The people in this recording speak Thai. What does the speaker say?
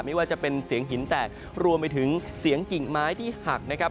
ไม่ว่าจะเป็นเสียงหินแตกรวมไปถึงเสียงกิ่งไม้ที่หักนะครับ